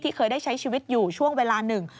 เคยได้ใช้ชีวิตอยู่ช่วงเวลาหนึ่ง